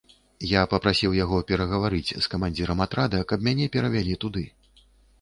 Я папрасіў яго перагаварыць з камандзірам атрада, каб мяне перавялі туды.